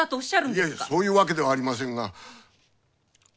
いやいやそういうわけではありませんが。